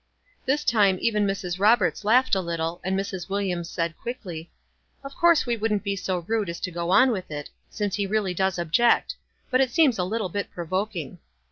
This time even Mrs. Roberts laughed a little, and Mrs. Williams said quickly, — "Of course we wouldn't be so rude as to go on with it, since he really does object ; but it seems a little bit provoking."